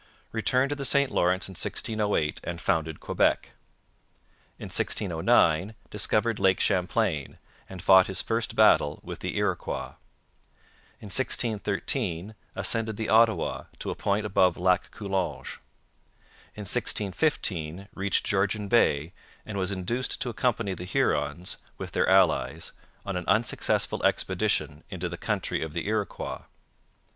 Returned to the St Lawrence in 1608 and founded Quebec. In 1609 discovered Lake Champlain, and fought his first battle with the Iroquois. In 1613 ascended the Ottawa to a point above Lac Coulange. In 1615 reached Georgian Bay and was induced to accompany the Hurons, with their allies, on an unsuccessful expedition into the country of the Iroquois.